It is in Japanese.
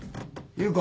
優子。